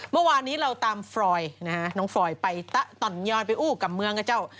เมื่อวานนี้เราตามฟรอยนะฮะน้องฟรอยไปตะต่อนยอยไปอู้กับเมืองนะเจ้า